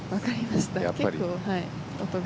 結構、音が。